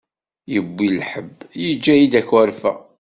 Yewwi lḥebb, yeǧǧa-yi-d akerfa.